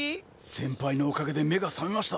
先輩のおかげで目が覚めました。